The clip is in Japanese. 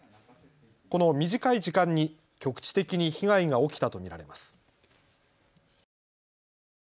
この短い時間に局地的に被害が起きたと見られます。